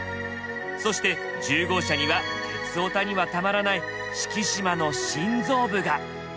そして１０号車には鉄オタにはたまらない四季島の心臓部が。